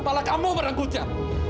malah kamu merangkulnya